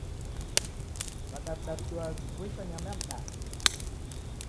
W'adaw'ida w'iduaa w'ikiboisa nyama ya mdanda?